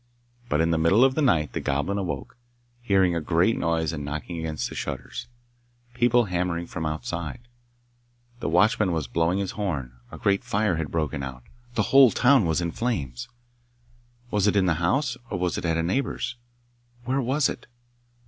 But in the middle of the night the Goblin awoke, hearing a great noise and knocking against the shutters people hammering from outside. The watchman was blowing his horn: a great fire had broken out; the whole town was in flames. Was it in the house? or was it at a neighbour's? Where was it?